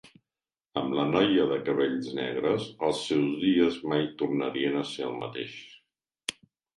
Amb la noia de cabells negres, els seus dies mai tornarien a ser el mateix.